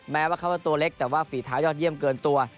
แม้ว่าเขาจะตัวเล็กแต่ว่าฝีเท้ายอดเยี่ยมเกินตัว